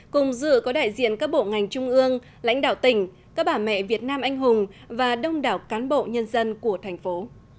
cùng dự có đại diện các bộ ngành trung ương lãnh đạo tỉnh các bà mẹ việt nam anh hùng và đông đảo cán bộ nhân dân của thành phố